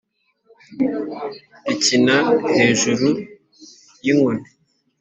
Ikina hejuru y' inkoni,